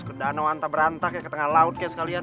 ke danau anta berantah ya ke tengah laut kayak sekalian